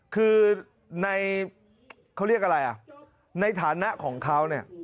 คือในเขาเรียกอะไรอ่ะในฐานะของเขาเนี่ย